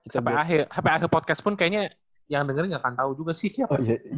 sampai akhir podcast pun kayaknya yang denger nggak akan tahu juga sih siapa sih